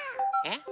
えっ？